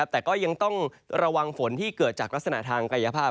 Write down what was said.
แต่ก็ยังต้องระวังฝนที่เกิดจากลักษณะทางกายภาพ